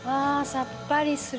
さっぱりする。